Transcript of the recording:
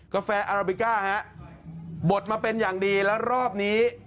แฟอาราบิก้าฮะบดมาเป็นอย่างดีแล้วรอบนี้